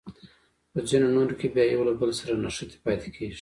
په ځینو نورو کې بیا یو له بل سره نښتې پاتې کیږي.